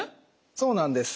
そうなんです。